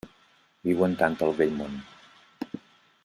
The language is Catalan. Viuen tant al Vell Món.